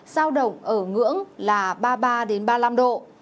sao đồng ở ngưỡng là ba mươi ba đến ba mươi năm độ